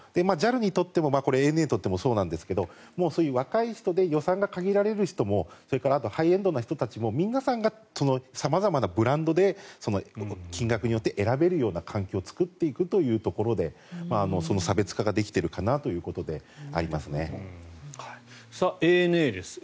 ＪＡＬにとってもＡＮＡにとってもそうなんですがそういう若い人で予算が限られる人もそれからハイエンドの人たちも皆さんが様々なブランドで金額によって選べる環境を作っていくということでその差別化ができているかなというところであります。